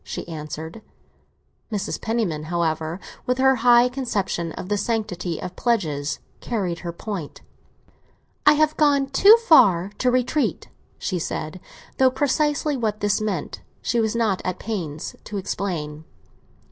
she answered. Mrs. Penniman, however, with her high conception of the sanctity of pledges, carried her point. "I have gone too far to retreat," she said, though precisely what this meant she was not at pains to explain.